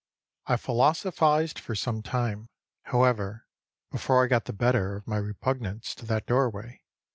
I philosophized for some time, however, before I got the better of my repugnance to that doorway.